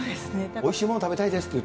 おいしいもの食べたいですっ